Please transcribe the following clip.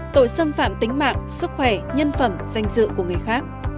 tội xâm phạm tính mạng sức khỏe nhân phẩm danh dự của người khác